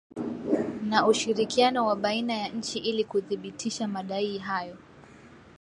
Na ushirikiano wa baina ya nchi ili kuthibitisha madai hayo